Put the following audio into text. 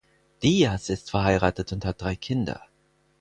Dias ist verheiratet und hat drei Kinder.